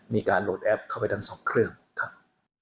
มีการโหลดแอปเข้าไปทั้งสองเครื่องครับ